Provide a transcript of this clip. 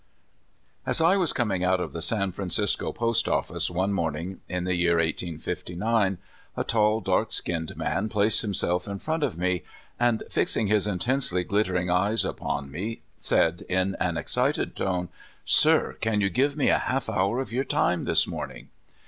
AS I was coming out of the San Francisco post office one morning in the year 1859, a tall, dark skinned man placed himself in front of me, and, fixing his intensely ghttering eyes upon me, said in an excited tone: ' Sir, can you give me a half hour of your time this morning?